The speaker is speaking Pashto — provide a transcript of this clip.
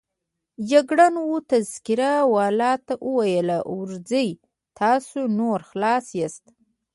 جګړن وه تذکره والاو ته وویل: ورځئ، تاسو نور خلاص یاست.